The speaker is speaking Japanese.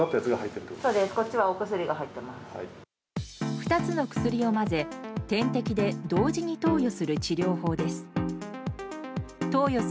２つの薬を混ぜ、点滴で同時に投与する治療法です。